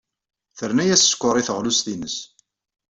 Terna-as sskeṛ i teɣlust-nnes.